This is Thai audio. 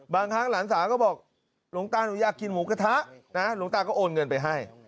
บางครั้งหลานสาวก็บอกหลวงตาหนูอยากกินหมูกระทะนะหลวงตาก็โอนเงินไปให้